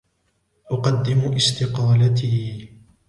أُقدم استقالتي.